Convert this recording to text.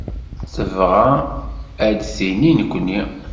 Tebɣa ad d-tini nekkni?